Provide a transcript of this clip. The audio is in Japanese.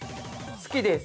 ◆好きです。